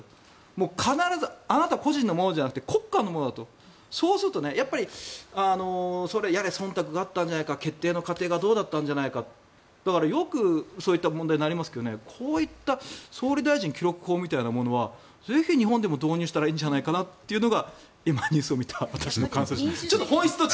もう必ずあなた個人のものじゃなくて国家のものだとそうすると、やれそんたくがあったんじゃないか決定の過程がどうだったのかよくそういった問題になりますけどこういった総理大臣記録法みたいなものはぜひ日本でも導入したらいいんじゃないかなというのが今、ニュースを見た私の感想です。